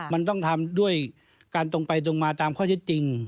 มันต้องทำด้วยการตรงไปตรงมาตามข้อเท็จจริง